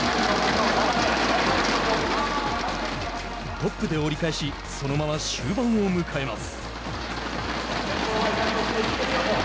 トップで折り返しそのまま終盤を迎えます。